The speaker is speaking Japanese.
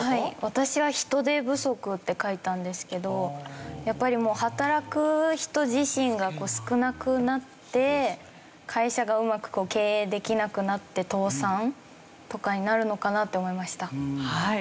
私は人手不足って書いたんですけどやっぱり働く人自身が少なくなって会社がうまく経営できなくなって倒産とかになるのかなって思いました。